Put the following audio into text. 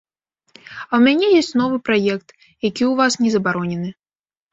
А ў мяне ёсць новы праект, які ў вас не забаронены.